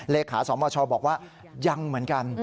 เลขาสมชบอกว่ายังเหมือนกัน